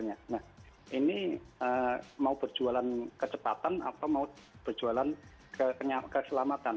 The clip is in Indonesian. nah ini mau berjualan kecepatan atau mau berjualan keselamatan